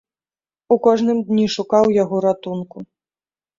У кожным дні шукаў яго ратунку.